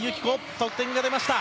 得点が出ました。